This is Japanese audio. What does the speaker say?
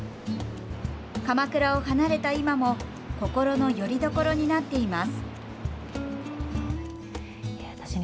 鎌倉を離れた今も心のよりどころになっています。